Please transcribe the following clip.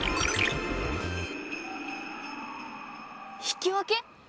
引き分け